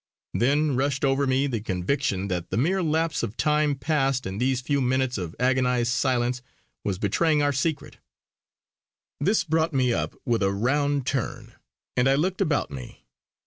Then rushed over me the conviction that the mere lapse of time passed in these few minutes of agonised silence was betraying our secret. This brought me up with a round turn, and I looked about me.